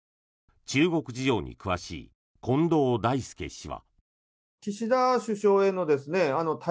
中国事情に詳しい近藤大介氏は。